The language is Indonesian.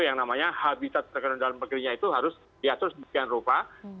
yang namanya habitat terkenal dalam negerinya itu harus diatur sebegian rupa